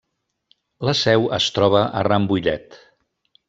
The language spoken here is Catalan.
La seu es troba a Rambouillet.